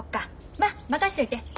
まっ任しといて。